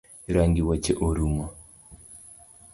Rangi wuoche orumo